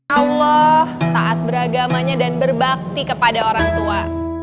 allah taat beragamanya dan berbakti kepada orang tua